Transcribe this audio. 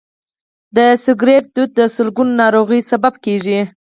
د سګرټ لوګی د سلګونو ناروغیو سبب کېږي.